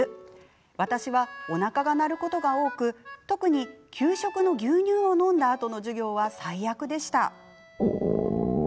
私はおなかが鳴ることが多く特に、給食の牛乳を飲んだあとの授業は最悪でした。